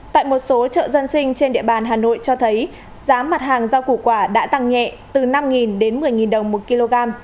tại một số chợ dân sinh trên địa bàn hà nội cho thấy giá mặt hàng rau củ quả đã tăng nhẹ từ năm đến một mươi đồng một kg